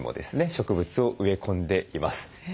植物を植え込んでいます。